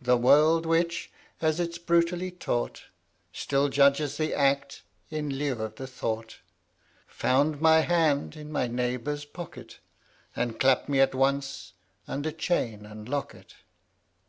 The world, which, as it is brutally taught, Still judges the act in lieu of the thought, Found my hand in my neighbor's pocket, And clapped me, at once, under chain and locket.